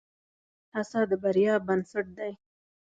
هڅه د بریا بنسټ دی.